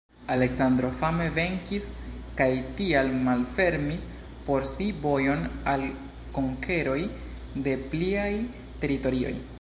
Aleksandro fame venkis kaj tial malfermis por si vojon al konkeroj de pliaj teritorioj.